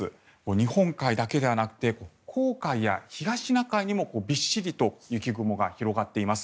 日本海だけではなくて黄海や東シナ海にもびっしりと雪雲が広がっています。